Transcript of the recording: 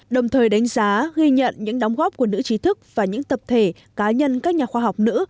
đồng thời đánh giá ghi nhận những đóng góp của nữ trí thức và những tập thể cá nhân các nhà khoa học nữ